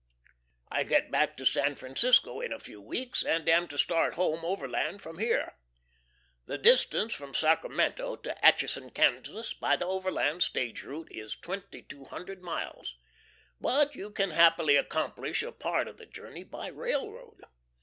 .... I get back to San Francisco in a few weeks, and am to start home Overland from here. The distance from Sacramento to Atchison, Kansas, by the Overland stage route, is 2200 miles, but you can happily accomplish a part of the journey by railroad.